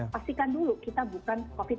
pastikan dulu kita bukan covid sembilan belas